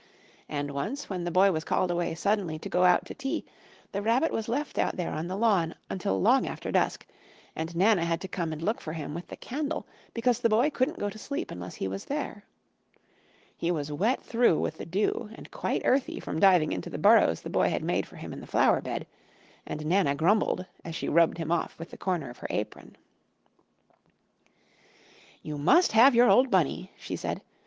And once, when the Boy was called away suddenly to go out to tea, the Rabbit was left out on the lawn until long after dusk, and Nana had to come and look for him with the candle because the Boy couldn't go to sleep unless he was there. He was wet through with the dew and quite earthy from diving into the burrows the Boy had made for him in the flower bed, and Nana grumbled as she rubbed him off with a corner of her apron. Spring Time "You must have your old Bunny!" she said.